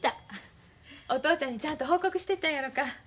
お父ちゃんにちゃんと報告してったんやろか。